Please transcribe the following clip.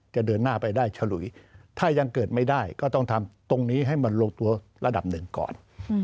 เดินหน้าไปได้ฉลุยถ้ายังเกิดไม่ได้ก็ต้องทำตรงนี้ให้มันลงตัวระดับหนึ่งก่อน